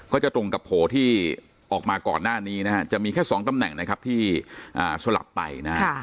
ก็จะตรงกับโผล่ที่ออกมาก่อนหน้านี้นะฮะจะมีแค่๒ตำแหน่งนะครับที่สลับไปนะฮะ